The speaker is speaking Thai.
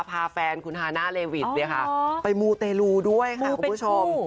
พาแฟนคุณฮาน่าเลวิทไปมูเตลูด้วยค่ะคุณผู้ชม